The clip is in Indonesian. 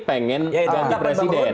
pengen ganti presiden